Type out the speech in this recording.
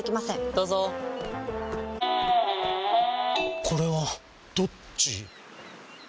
どうぞこれはどっち？